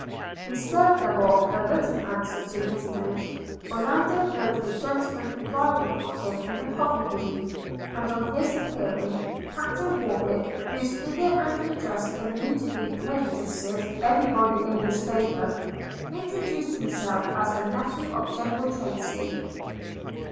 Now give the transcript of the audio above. Instead, therefore, of a written answer to his note, Orlando heard a gentleman enquiring for him in the coffee room; and on his appearing, Captain Warwick, whose figure and address immediately prejudiced every body in his favour, introduced himself as the nephew of General Tracy.